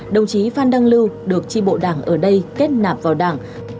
đồng chí phan đăng lưu được tri bộ đảng ở đây kết nạp vào đảng